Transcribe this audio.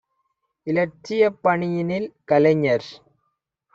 இலட்சியப் பணியினில் கலைஞர்